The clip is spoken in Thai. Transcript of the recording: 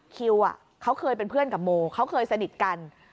คิวเขาเคยเป็นเพื่อนกับโมเขาเคยสนิทกัน